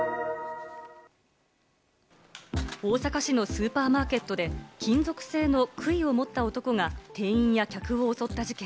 大阪市のスーパーマーケットで金属製のくいを持った男が店員や客を襲った事件。